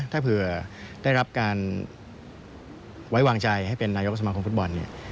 ถ้าเผื่อได้รับการไว้วางใจให้เป็นนายกสมาคมฟุตบอลเนี่ย